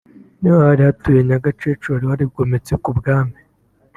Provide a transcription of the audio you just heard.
ni ho hari hatuye Nyagakecuru wari warigometse ku mwami